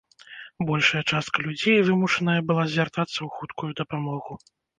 Большая частка людзей вымушаная была звяртацца ў хуткую дапамогу.